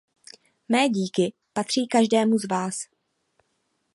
Mé díky patří každému z vás.